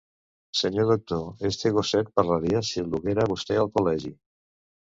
Senyor doctor, este gosset parlaria si el duguera vosté al col·legi.